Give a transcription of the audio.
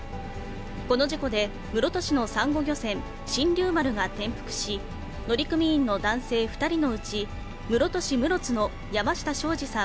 この事故で、室戸市のサンゴ漁船、神龍丸が転覆し、乗組員の男性２人のうち、室戸市室津の山下昭二さん